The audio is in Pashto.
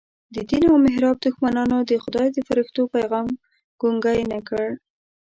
د دین او محراب دښمنانو د خدای د فرښتو پیغام ګونګی نه کړ.